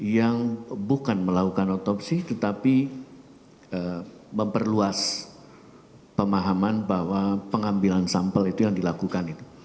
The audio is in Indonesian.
yang bukan melakukan otopsi tetapi memperluas pemahaman bahwa pengambilan sampel itu yang dilakukan itu